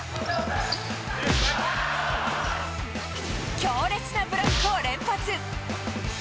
強烈なブロックを連発。